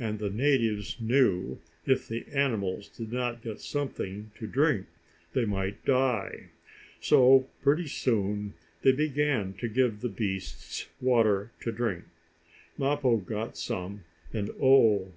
And the natives knew if the animals did not get something to drink, they might die. So, pretty soon, they began to give the beasts water to drink. Mappo got some, and oh!